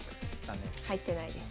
入ってないです。